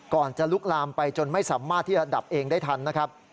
จะลุกลามไปจนไม่สามารถที่จะดับเองได้ทันนะครับ